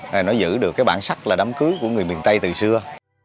để nó giữ được cái bản sắc là đám cưới của người miền tây từ xưa